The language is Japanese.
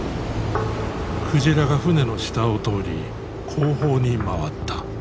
鯨が船の下を通り後方に回った。